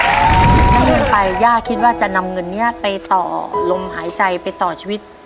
มานี่ไข่หนึ่งอันนี้ย่าคิดว่าจะนำเงินนี้ไปต่อลมหายใจไปต่อชีวิต